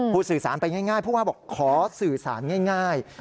สื่อสารไปง่ายผู้ว่าบอกขอสื่อสารง่าย